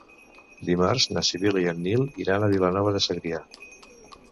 Dimarts na Sibil·la i en Nil iran a Vilanova de Segrià.